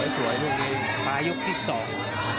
สวยลุงในปลายยกที่สอง